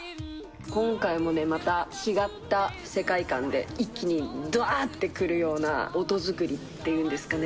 今回もまた違った世界観で、一気にどわーって来るような音作りっていうんですかね。